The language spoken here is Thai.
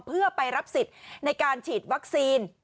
เพื่อไปรับสิทธิ์ในการฉีดวัคซีน